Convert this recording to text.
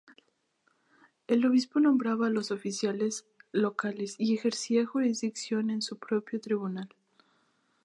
El obispo nombraba a los oficiales locales y ejercía jurisdicción en su propio tribunal.